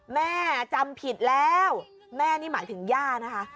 แม่จำผิดแล้วแม่นี่หมายถึงย่านะคะ